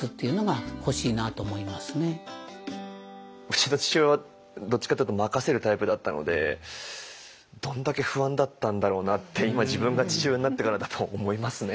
うちの父親はどっちかっていうと任せるタイプだったのでどんだけ不安だったんだろうなって今自分が父親になってからだと思いますね。